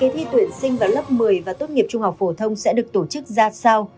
thi tuyển sinh vào lớp một mươi và tốt nghiệp trung học phổ thông sẽ được tổ chức ra sao